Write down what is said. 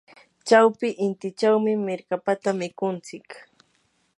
chawpi intichawmi mirkapata mikunchik.